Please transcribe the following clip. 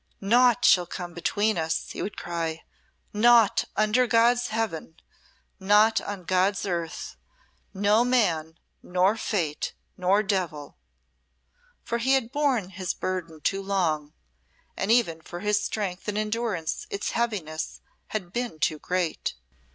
"Naught shall come between!" he would cry. "Naught under God's Heaven naught on Gods' earth! No man, nor fate, nor devil!" For he had borne his burden too long, and even for his strength and endurance its heaviness had been too great.